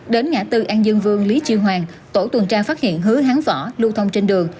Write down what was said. đến ngã tư an dương vương lý chiêu hoàng tổ tuần tra phát hiện hứa hán võ lưu thông trên đường